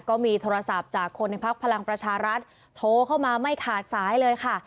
ก็มีโทรศัพท์จากคนในพักพลังประชารัฐโทรเข้ามาไม่ขาดสายเลยค่ะ